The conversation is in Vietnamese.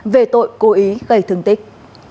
về tội cố ý gây thương tích